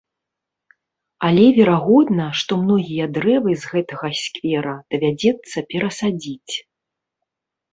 Але верагодна, што многія дрэвы з гэтага сквера давядзецца перасадзіць.